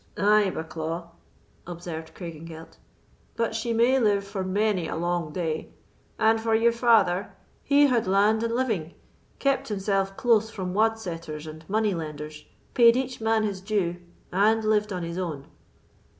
"Ay, Bucklaw," observed Craigengelt, "but she may live for many a long day; and for your father, he had land and living, kept himself close from wadsetters and money lenders, paid each man his due, and lived on his own."